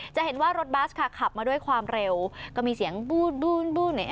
จะเห็นว่ารถบัสค่ะขับมาด้วยความเร็วก็มีเสียงบูดบูน